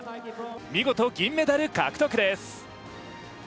見事、銀メダル獲得です。